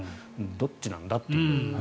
どっちなんだと。